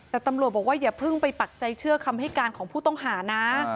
แต่ตำรวจบอกว่าอย่าเพิ่งไปปักใจเชื่อคำให้การของผู้ต้องหานะ